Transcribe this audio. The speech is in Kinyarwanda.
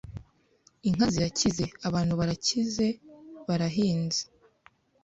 Inka zirakize, abantu barakize, barahinze